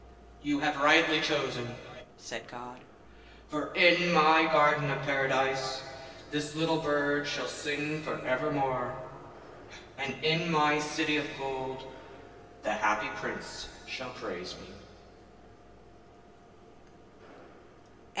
'You have rightly chosen,' said God,'for in my garden of Paradise this little bird shall sing for evermore, and in my city of gold the Happy Prince shall praise me.'